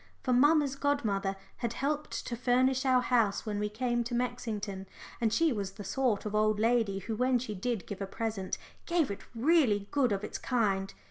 For mamma's godmother had helped to furnish our house when we came to Mexington, and she was the sort of old lady who when she did give a present gave it really good of its kind.